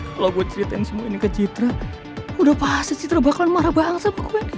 kalo gue ceritain semua ini ke citra udah pasti citra bakalan marah banget sama gue nih